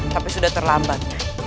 tapi sudah terlambat